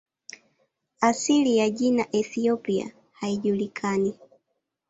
Asili ya jina "Ethiopia" haijulikani.